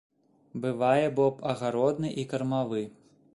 Бывае боб агародны і кармавы.